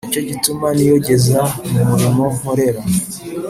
Ni cyo gituma niyogeza mu murimo nkorera